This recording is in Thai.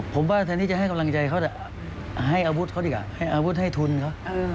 ผมว่าแทนที่จะให้กำลังใจเขาจะให้อาวุธเขาดีกว่าให้อาวุธให้ทุนเขา